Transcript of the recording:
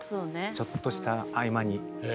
ちょっとした合間に。